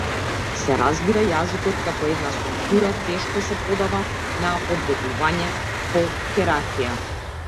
Се разбира, јазикот како една структура тешко се подава на подредување по хиерархија.